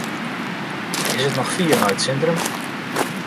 Is it noch fier nei it sintrum?